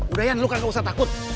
udayan lu kan gak usah takut